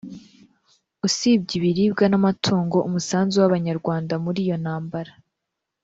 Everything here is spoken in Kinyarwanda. Usibye ibiribwa n’amatungo, umusanzu w’Abanyarwanda muri iyo ntambara